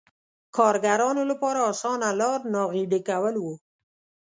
کارګرانو لپاره اسانه لار ناغېړي کول و.